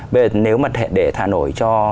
bây giờ nếu mà để thà nội cho